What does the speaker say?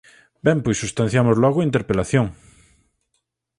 Ben, pois substanciamos logo a interpelación.